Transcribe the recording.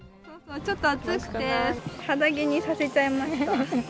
ちょっと暑くて、肌着にさせちゃいました。